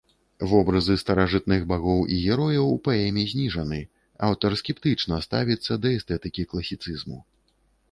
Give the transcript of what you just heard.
Вобразы старажытных багоў і герояў у паэме зніжаны, аўтар скептычна ставіцца да эстэтыкі класіцызму.